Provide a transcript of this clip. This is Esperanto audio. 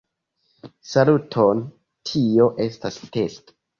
Saluton, tio estas testo.